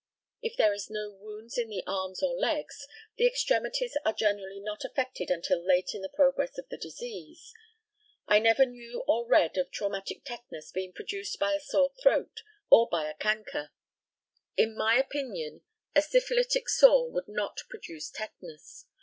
If there is no wounds in the arms or legs, the extremities are generally not affected until late in the progress of the disease. I never knew or read of traumatic tetanus being produced by a sore throat or by a chancre. In my opinion, a syphilitic sore would not produce tetanus.